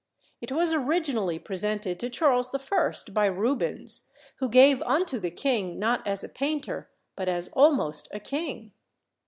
It was originally presented to Charles I., by Rubens, who gave unto the king not as a painter but as almost a king.